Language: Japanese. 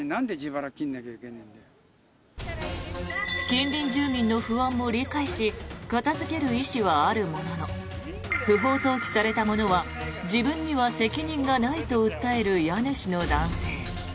近隣住民の不安も理解し片付ける意思はあるものの不法投棄されたものは自分には責任がないと訴える家主の男性。